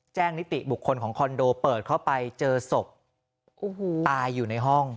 นิติบุคคลของคอนโดเปิดเข้าไปเจอศพตายอยู่ในห้อง